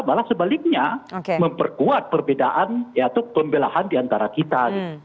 malah sebaliknya memperkuat perbedaan atau pembelahan di antara kita